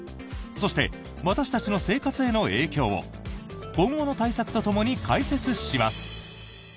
そして、私たちの生活への影響を今後の対策とともに解説します。